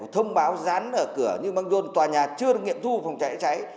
phải có thông báo rán ở cửa như băng đôn tòa nhà chưa được nghiệm thu phòng cháy chữa cháy